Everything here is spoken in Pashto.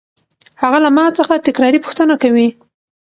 هغه له ما څخه تکراري پوښتنه کوي.